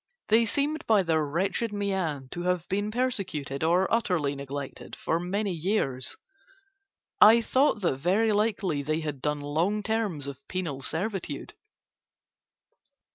They seemed by their wretched mien to have been persecuted or utterly neglected for many years, I thought that very likely they had done long terms of penal servitude.